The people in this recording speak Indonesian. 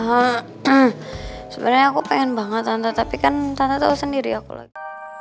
sebenarnya aku pengen banget tante tapi kan tante tahu sendiri aku lagi